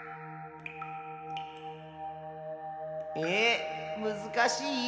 えむずかしい？